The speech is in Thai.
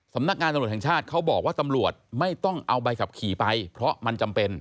สำนักงานตำรวจแห่งชาติเขาบอกว่าตำรวจไม่ต้องเอาใบขับขี่ไปเพราะมันจำเป็น